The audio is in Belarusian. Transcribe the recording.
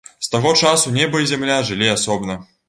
З таго часу неба і зямля жылі асобна.